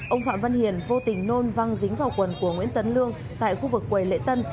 ông phạm văn hiền vô tình nôn văng dính vào quần của nguyễn tấn lương tại khu vực quầy lễ tân